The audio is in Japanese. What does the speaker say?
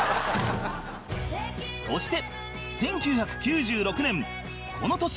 そして１９９６年この年は